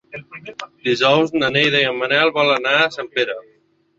Dijous na Neida i en Manel volen anar a Sempere.